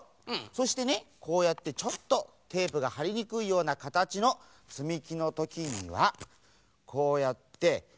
そしてねこうやってちょっとテープがはりにくいようなかたちのつみきのときにはこうやってテープをまるくしてぺったん